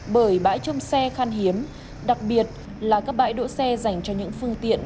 bởi bãi trông xe khan hiếm đặc biệt là các bãi đỗ xe dành cho những phương tiện